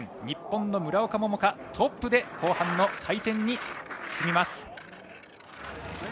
日本の村岡桃佳はトップで後半の回転に進みます。